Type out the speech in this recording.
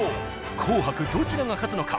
紅白どちらが勝つのか。